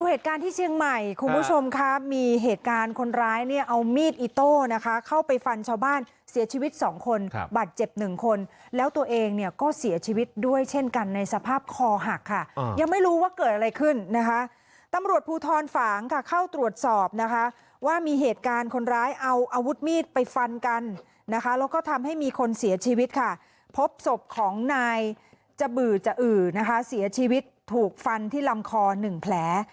ตัวเหตุการณ์ที่เชียงใหม่คุณผู้ชมครับมีเหตุการณ์คนร้ายเนี่ยเอามีดอิโต้นะคะเข้าไปฟันชาวบ้านเสียชีวิต๒คนบัตรเจ็บ๑คนแล้วตัวเองเนี่ยก็เสียชีวิตด้วยเช่นกันในสภาพคอหักค่ะยังไม่รู้ว่าเกิดอะไรขึ้นนะคะตำรวจภูทรฝางค่ะเข้าตรวจสอบนะคะว่ามีเหตุการณ์คนร้ายเอาอาวุธมีดไปฟันกันนะคะแล